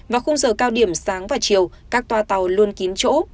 vào khung giờ cao điểm sáng và chiều các toa tàu luôn kín chỗ